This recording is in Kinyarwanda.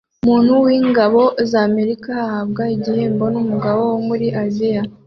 Umuntu wingabo za Amerika ahabwa igihembo numugabo wo muri Aziya